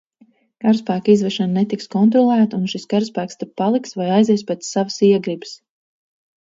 Karaspēka izvešana netiks kontrolēta un šis karaspēks te paliks vai aizies pēc savas iegribas.